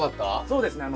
そうですね。